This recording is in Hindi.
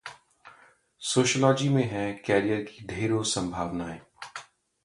सोशियोलॉजी में है करियर की ढेरों संभावनाएं